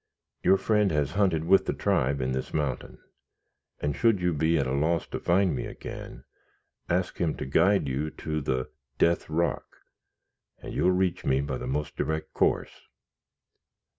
Your friend has hunted with the tribe in this mountain, and should you be at a loss to find me again, ask him to guide you to the 'Death Rock,' and you will reach me by the most direct course."